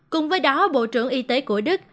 cùng với đó bộ trưởng y tế của đức